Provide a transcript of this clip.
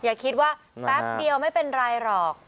อย่าคิดว่าแป๊บเดียวไม่เป็นไรหรอก